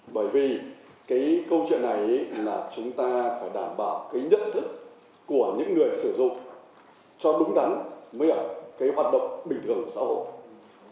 bởi vì cái câu chuyện này là chúng ta phải đảm bảo cái nhận thức của những người sử dụng cho đúng đắn mới ở cái hoạt động bình thường của xã hội